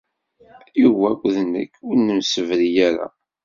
Yuba akked nekk ur nemsebri ara.